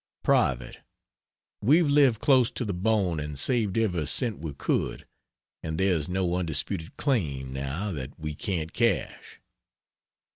(Private.) We've lived close to the bone and saved every cent we could, and there's no undisputed claim, now, that we can't cash.